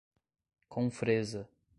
Confresa